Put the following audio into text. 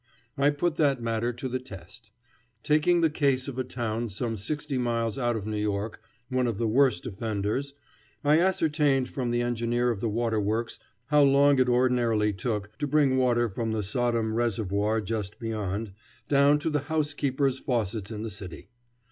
I put that matter to the test. Taking the case of a town some sixty miles out of New York, one of the worst offenders, I ascertained from the engineer of the water works how long it ordinarily took to bring water from the Sodom reservoir just beyond, down to the housekeepers' faucets in the city.